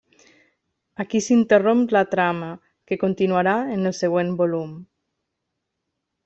Aquí s'interromp la trama, que continuarà en el següent volum: